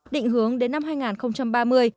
định hướng đến năm hai nghìn ba mươi